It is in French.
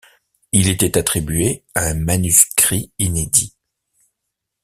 Il était attribué à un manuscrit inédit.